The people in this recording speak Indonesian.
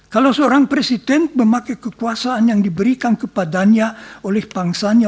kalau seorang presiden memakai kekuasaan yang diberikan kepadanya oleh bangsanya